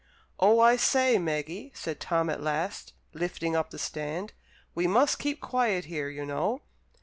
"Oh, I say, Maggie," said Tom at last, lifting up the stand, "we must keep quiet here, you know.